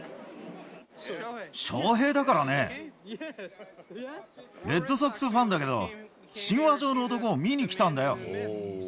翔平だからね、レッドソックスファンだけど、神話上の男を見に来たんだよ。